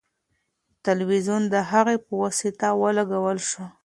تلویزیون د هغې په واسطه ولګول شو.